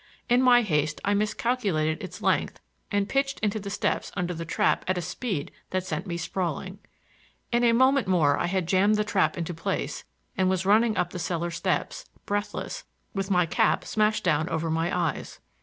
In my haste I miscalculated its length and pitched into the steps under the trap at a speed that sent me sprawling. In a moment more I had jammed the trap into place and was running up the cellar steps, breathless, with my cap smashed down over my eyes.